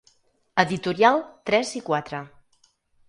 Editorial Tres i Quatre.